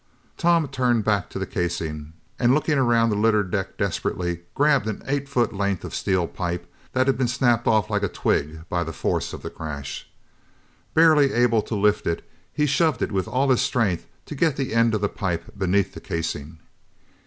Tom turned back to the casing, and looking around the littered deck desperately, grabbed an eight foot length of steel pipe that had been snapped off like a twig by the force of the crash. Barely able to lift it, he shoved it with all his strength to get the end of the pipe beneath the casing.